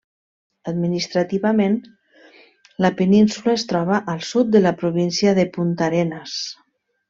Administrativament, la península es troba al sud de la província de Puntarenas.